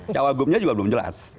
cawagumnya juga belum jelas